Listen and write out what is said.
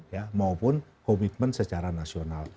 ya maupun komitmen secara nasional